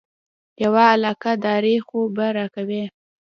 یوه علاقه داري خو به راکوې.